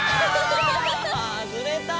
あはずれた！